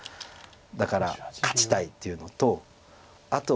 だから勝ちたいというのとあと。